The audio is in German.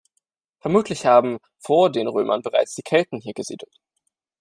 Vermutlich haben vor den Römern bereits die Kelten hier gesiedelt.